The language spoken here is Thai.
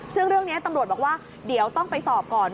ซึ่งเรื่องนี้ตำรวจบอกว่าเดี๋ยวต้องไปสอบก่อน